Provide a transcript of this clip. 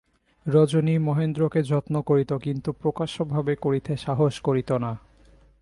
রজনী মহেন্দ্রকে যত্ন করিত, কিন্তু প্রকাশ্যভাবে করিতে সাহস করিত না।